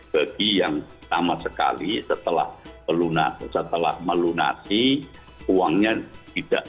bagi yang sama sekali setelah melunasi uangnya tidak